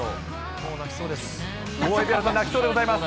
もう泣きそうです。